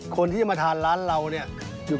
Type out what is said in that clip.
คนที่จะมาทานร้านเราเนี่ย